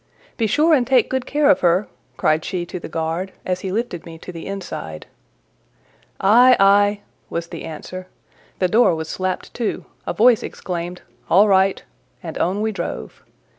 "Be sure and take good care of her," cried she to the guard, as he lifted me into the inside. "Ay, ay!" was the answer: the door was slapped to, a voice exclaimed "All right," and on we drove.